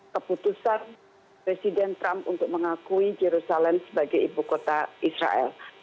keputusan presiden trump untuk mengakui jerusalem sebagai ibu kota israel